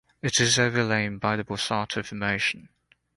It is overlain by the Borsato Formation.